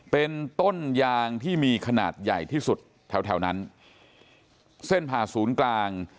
เป็นต้นยางที่มีขนาดใหญ่ที่สุดแถวแถวนั้นเส้นผ่าศูนย์กลาง